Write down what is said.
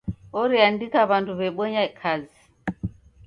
Oreandika w'andu w'ebonya kazi.